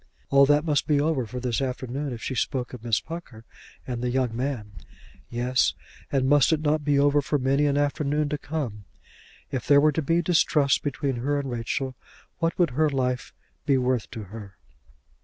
All that must be over for this afternoon if she spoke of Miss Pucker and the young man. Yes; and must it not be over for many an afternoon to come? If there were to be distrust between her and Rachel what would her life be worth to her?